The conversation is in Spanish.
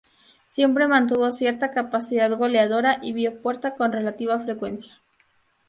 Siempre mantuvo cierta capacidad goleadora y vio puerta con relativa frecuencia.